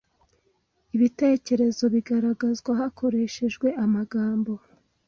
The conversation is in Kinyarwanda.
Ibitekerezo bigaragazwa hakoreshejwe amagambo.